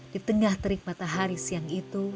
di tengah terik matahari siang itu